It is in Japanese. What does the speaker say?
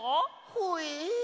ほえ！？